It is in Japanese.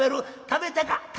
食べてか？